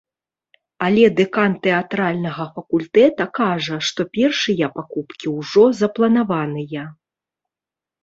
Але дэкан тэатральнага факультэта кажа, што першыя пакупкі ўжо запланаваныя.